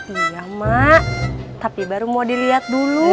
iya mak tapi baru mau dilihat dulu